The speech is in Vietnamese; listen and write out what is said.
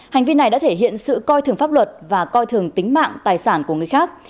hành vi này đã thể hiện sự coi thường pháp luật và coi thường tính mạng tài sản của người khác